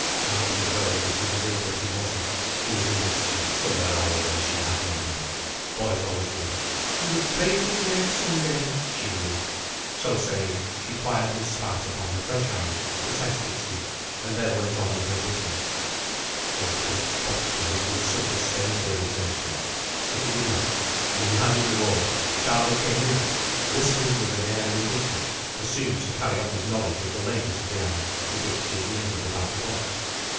"Charley would know, if he was in, but he wasn't. He was in mischief, somewhere or other, she had no doubt. Boys always were. He would break his neck some day, she knew;" so saying, she quietly spat upon her fresh iron, to test its heat, and then went on with her business. Job could have boxed her, he was in such a state of irritation. But he did not, and he had his reward. Charley came in, whistling with an air of indifference, assumed to carry off his knowledge of the lateness of the hour to which he had lingered about the docks.